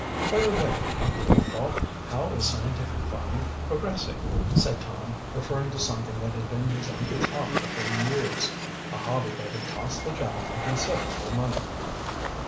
"By the way, Uncle Randolph, how is scientific farming progressing?" said Tom, referring to something that had been his uncle's hobby for years a hobby that had cost the gentleman considerable money.